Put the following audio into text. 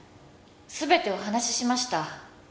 「全てお話ししました」